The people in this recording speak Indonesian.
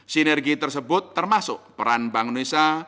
sinergi tersebut termasuk peran bank indonesia